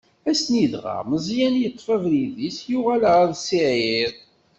Ass-nni dɣa, Meẓyan yeṭṭef abrid-is, yuɣal ɣer Siɛir.